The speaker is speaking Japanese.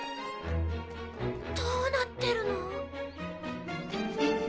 どうなってるの？